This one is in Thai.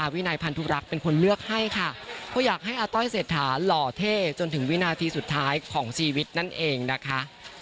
วินัยพันธุรักษ์เป็นคนเลือกให้ค่ะเพราะอยากให้อาต้อยเศรษฐาหล่อเท่จนถึงวินาทีสุดท้ายของชีวิตนั่นเองนะคะ